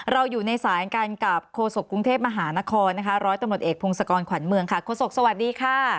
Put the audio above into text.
เราอยู่ในสายงานกับโคศกกรุงเทพมหานคร๑๐๐ตำหนดเอกพรุงสกรขวัญเมืองโคศกสวัสดีค่า